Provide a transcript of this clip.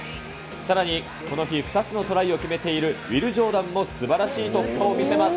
さらにこの日２つのトライを決めている、ウィル・ジョーダンもすばらしい突破を見せます。